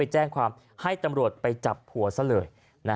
ให้ตำรวจไปจับหัวซะเลย